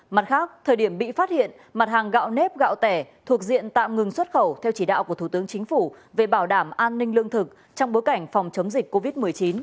mặt khác thời điểm bị phát hiện mặt hàng gạo nếp gạo tẻ thuộc diện tạm ngừng xuất khẩu theo chỉ đạo của thủ tướng chính phủ về bảo đảm an ninh lương thực trong bối cảnh phòng chống dịch covid một mươi chín